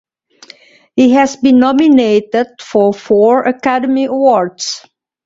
He has been nominated for four Academy Awards.